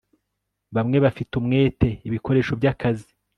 Bamwe bafite umwete ibikoresho byakazi